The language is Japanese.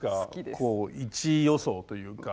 こう１位予想というか。